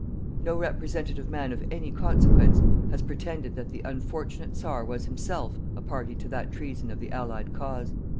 No representative man of any consequence has pretended that the unfortunate Czar was himself a party to that treason of the Allied cause.